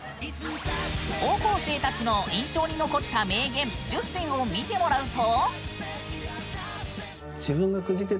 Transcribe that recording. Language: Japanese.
高校生たちの印象に残った名言１０選を見てもらうと。